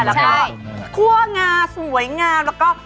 ใช่คั่วกงาสวยงามแล้วก็